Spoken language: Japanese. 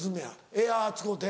エア使うて。